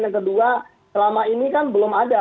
yang kedua selama ini kan belum ada